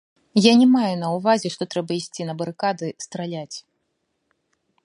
Я не маю на ўвазе, што трэба ісці на барыкады, страляць.